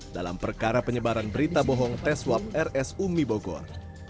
dalam perkara penyebaran berita bohong tes swab rs umi bogor